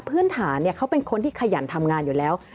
พื้นฐานเขาเป็นคนที่ขยันทำงานอยู่แล้ว